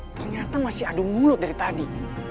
ternyata masih adu mulut dari tadi